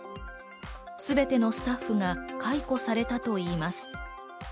すべてのスタッフが解雇されたといいます。